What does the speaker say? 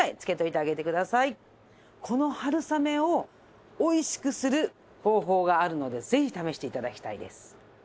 この春雨をおいしくする方法があるのでぜひ試して頂きたいです。